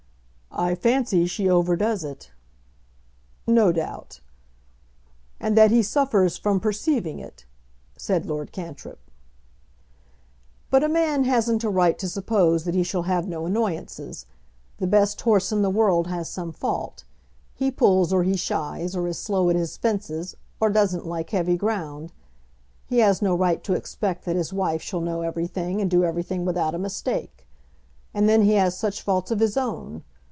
"I fancy she overdoes it." "No doubt." "And that he suffers from perceiving it," said Lord Cantrip. "But a man hasn't a right to suppose that he shall have no annoyances. The best horse in the world has some fault. He pulls, or he shies, or is slow at his fences, or doesn't like heavy ground. He has no right to expect that his wife shall know everything and do everything without a mistake. And then he has such faults of his own!